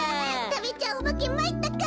たべちゃうおばけまいったか！